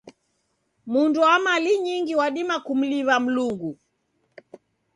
Mundu wa mali nyingi wadima kumliw'a Mlungu.